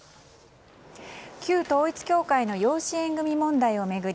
旧統一教会の養子縁組問題を巡り